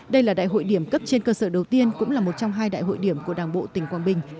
đây là đại hội điểm cấp trên cơ sở đầu tiên cũng là một trong hai đại hội điểm của đảng bộ tỉnh quảng bình